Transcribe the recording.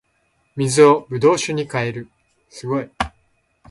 水を葡萄酒に変える